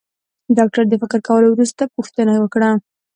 ډاکټر د فکر کولو وروسته پوښتنه وکړه.